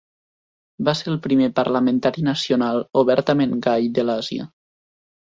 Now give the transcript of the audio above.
Va ser el primer parlamentari nacional obertament gai de l'Àsia.